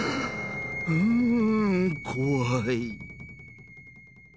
うん怖い。